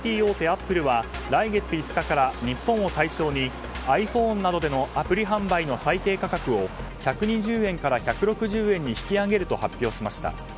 アップルは来月５日から日本を対象にｉＰｈｏｎｅなどでのアプリ販売の最低価格を１２０円から１６０円に引き上げると発表しました。